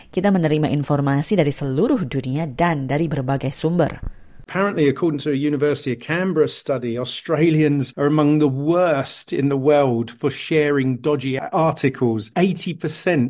ketika informasi palsu atau berbohongan menyebabkan kepercayaan atau kebohongan